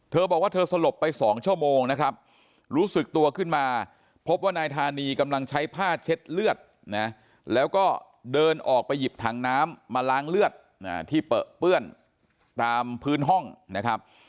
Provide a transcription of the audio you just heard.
เธอบอกว่าเธอสลบไป๒ชั่วโมงนะครับรู้สึกตัวขึ้นมาพบว่านายธานีกำลังใช้ผ้าเช็ดเลือดนะแล้วก็เดินออกไปหยิบถังน้ำมาล้างเลือดที่เปลือเปื้อนตามพื้นห้องนะครับ